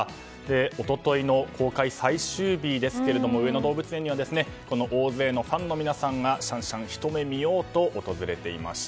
一昨日の公開最終日ですが上野動物園には大勢のファンの皆さんがシャンシャンをひと目見ようと訪れていました。